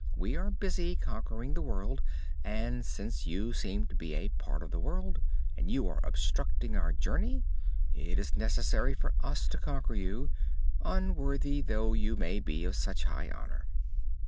We are busy conquering the world, and since you seem to be a part of the world, and are obstructing our journey, it is necessary for us to conquer you unworthy though you may be of such high honor."